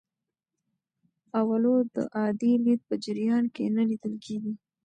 اولو د عادي لید په جریان کې نه لیدل کېږي.